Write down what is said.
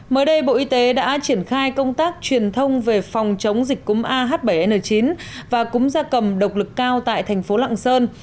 mới đây bộ y tế đã triển khai công tác truyền thông về phòng chống dịch cúm ah bảy n chín và cúng gia cầm độc lực cao tại thành phố lạng sơn